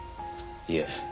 いえ。